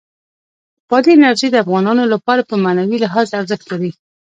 بادي انرژي د افغانانو لپاره په معنوي لحاظ ارزښت لري.